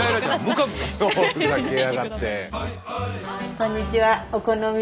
こんにちは。